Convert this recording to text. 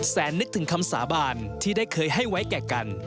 แสนนึกถึงคำสาบานที่ได้เคยให้ไว้แก่กัน